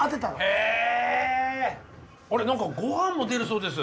あれ何かごはんも出るそうです。